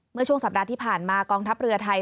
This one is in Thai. เมื่อช่วงสัปดาห์ที่ผ่านมากองทัพเรือไทย